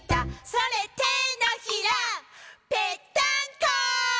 「それてのひらぺったんこ！」